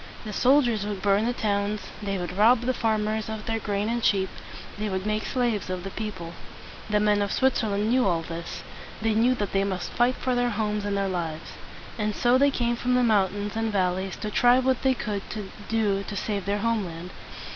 The soldiers would burn the towns, they would rob the farmers of their grain and sheep, they would make slaves of the people. The men of Switzerland knew all this. They knew that they must fight for their homes and their lives. And so they came from the mountains and valleys to try what they could do to save their land.